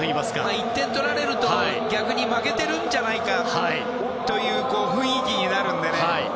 １点取られると逆に負けてるんじゃないかという雰囲気になるのでね。